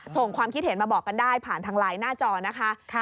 ความคิดเห็นมาบอกกันได้ผ่านทางไลน์หน้าจอนะคะ